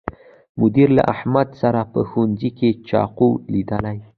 مدیر له احمد سره په ښوونځي کې چاقو لیدلی